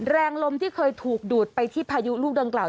แรงลมที่เคยถูกดูดไปที่พายุลูกดังกล่าว